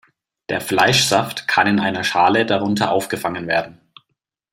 Der Fleischsaft kann in einer Schale darunter aufgefangen werden.